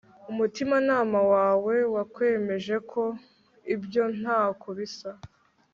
Umutimanama wawe wakwemeje ko ibyo ntako bisa